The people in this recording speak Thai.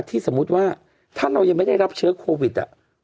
สมมุติว่าถ้าเรายังไม่ได้รับเชื้อโควิด